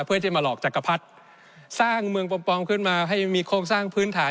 เพื่อที่มาหลอกจักรพรรดิสร้างเมืองปลอมขึ้นมาให้มีโครงสร้างพื้นฐาน